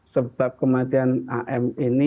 sebab kematian am ini